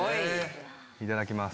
いただきます。